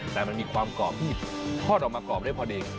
แต่มันมีความกรอบที่ทอดออกมากรอบได้พอดี